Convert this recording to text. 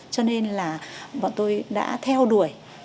cho nên là bọn tôi đã theo đuổi